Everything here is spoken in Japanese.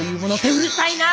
うるさいな！